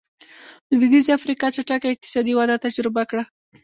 لوېدیځې افریقا چټکه اقتصادي وده تجربه کړه.